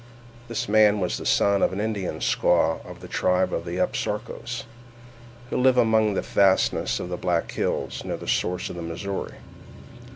This man was the son of an Indian squaw of the tribe of Upsarokas, who live among the fastnesses of the Black Hills, near the source of the Missouri.